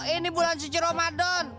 ini bulan suci ramadan